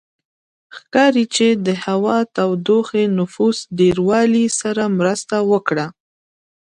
ښکاري چې د هوا تودوخې نفوس ډېروالي سره مرسته وکړه